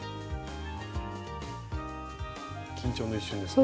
緊張の一瞬ですね。